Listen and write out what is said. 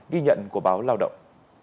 ghi nhận của báo lao động